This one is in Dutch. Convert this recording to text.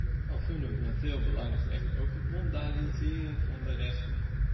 Van fundamenteel belang is echter ook de mondialisering van de rechten.